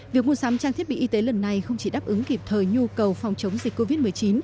việc mua sắm trang thiết bị y tế lần này không chỉ đáp ứng kịp thời nhu cầu phòng chống dịch covid một mươi chín